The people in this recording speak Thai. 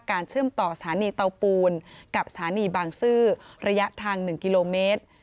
เชื่อมต่อสถานีเตาปูนกับสถานีบางซื่อระยะทาง๑กิโลเมตร